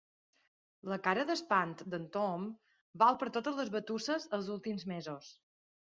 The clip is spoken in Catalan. La cara d'espant del Tom val per totes les batusses dels últims mesos.